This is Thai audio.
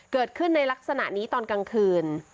เกิดขึ้นในลักษณะนี้ตอนกลางคืน